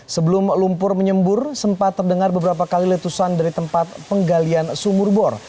sebelum lumpur menyembur sempat terdengar beberapa kali letusan dari tempat penggalian sumur bor